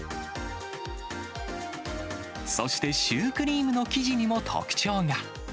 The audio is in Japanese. そしてシュークリームの生地にも特徴が。